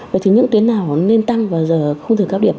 vậy thì những tuyến nào nên tăng và giờ không thể cao điểm